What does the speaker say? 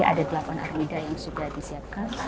jadi ada delapan armida yang sudah disiapkan